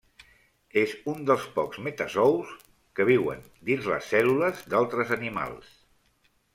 És un dels pocs metazous que viuen dins les cèl·lules d'altres animals.